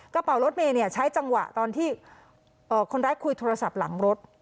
กระเป๋ารถเมย์ใช้จังหวะตอนที่คนร้ายคุยโทรศัพท์หลังรถ